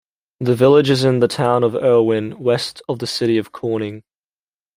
The village is in the town of Erwin, west of the city of Corning.